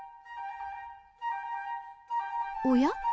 おや？